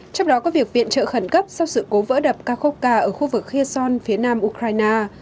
trong đó có việc viện trợ khẩn cấp sau sự cố vỡ đập kharkovka ở khu vực kherson phía nam ukraine